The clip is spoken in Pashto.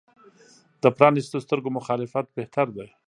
د پرانیستو سترګو مخالفت بهتر دی.